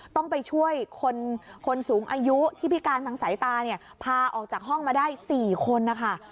ต้องไปช่วยคนสูงอายุที่พิการทางสายตาเนี่ยพาออกจากห้องมาได้๔คนนะคะ